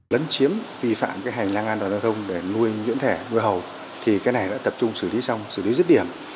lấn chiếm vi phạm cái hành lang an đoàn giao thông để nuôi những thẻ nuôi hầu thì cái này đã tập trung xử lý xong xử lý dứt điểm